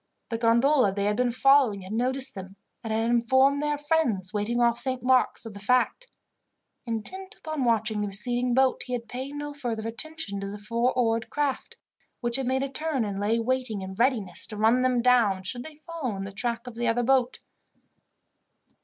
The gondola they had been following had noticed them, and had informed their friends, waiting off Saint Mark's, of the fact. Intent upon watching the receding boat, he had paid no further attention to the four oared craft, which had made a turn, and lay waiting in readiness to run them down, should they follow in the track of the other boat.